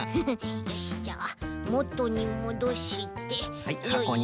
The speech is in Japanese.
よしじゃあもとにもどしてよいしょっと。